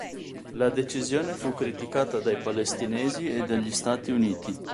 La decisione fu criticata dai palestinesi e dagli Stati Uniti.